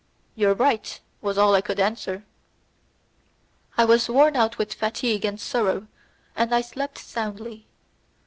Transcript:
"You are right," was all I could answer. I was worn out with fatigue and sorrow, and I slept soundly.